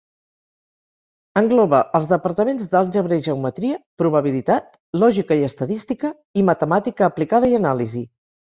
Engloba els departaments d'Àlgebra i Geometria, Probabilitat, lògica i estadística i Matemàtica aplicada i anàlisi.